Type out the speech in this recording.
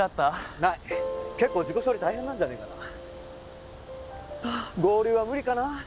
ない結構事故処理大変なんじゃねえかな合流は無理かな